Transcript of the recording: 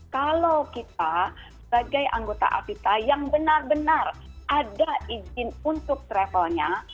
kalau kita sebagai anggota afita yang benar benar ada izin untuk travelnya